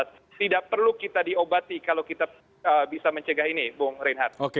tidak perlu kita diobati kalau kita bisa mencegah ini bung reinhardt